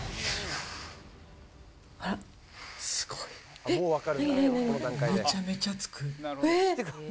すごい。えっ、何、めちゃめちゃつく。